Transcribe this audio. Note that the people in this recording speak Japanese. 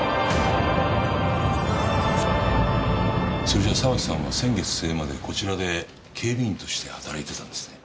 それじゃあ沢木さんは先月末までこちらで警備員として働いてたんですね？